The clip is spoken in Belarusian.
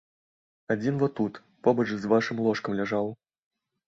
Адзін во тут, побач з вашым ложкам, ляжаў.